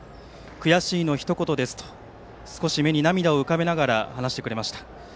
悔しいのひと言ですと少し、目に涙を浮かべながら話してくれました。